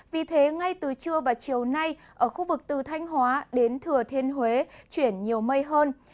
vì thế ngay từ trưa và chiều nay ở khu vực từ thanh hóa đến thừa thiên huế chuyển nhiều mây hơn